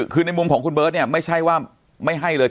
คือในมุมของคุณเบิร์ตเนี่ยไม่ใช่ว่าไม่ให้เลย